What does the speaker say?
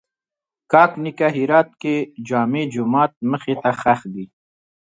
کاک نیکه هرات کښې جامع ماجت مخ ته ښخ دی